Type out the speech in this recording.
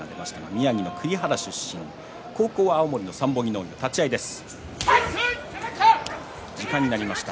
宮城の栗原市出身高校は青森の三本木農業高校です。